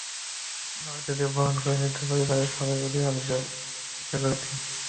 নতুন অতিথিকে বরণ করে নিতে পরিবারের সবাই অধীর আগ্রহে অপেক্ষা করছি।